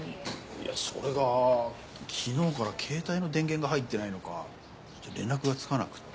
いやそれが昨日から携帯の電源が入ってないのか連絡がつかなくて。